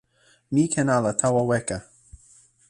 mi ken ala tawa weka.